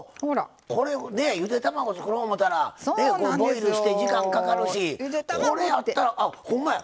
これねゆで卵作ろう思ったらボイルして時間かかるしこれやったらあほんまや！